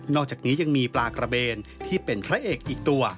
อกจากนี้ยังมีปลากระเบนที่เป็นพระเอกอีกตัว